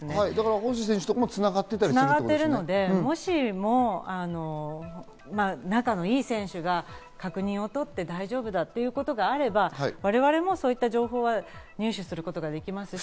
ホウ・スイ選手とも繋がっているのでもし、仲のいい選手が確認を取って大丈夫だということであれば我々もそういった情報を入手することができますし。